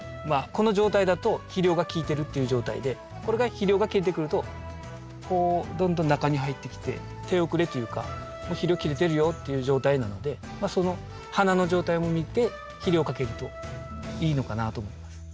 この状態だと肥料が効いてるっていう状態でこれが肥料が切れてくるとこうどんどん中に入ってきて手遅れというかもう肥料切れてるよっていう状態なのでその花の状態も見て肥料をかけるといいのかなと思います。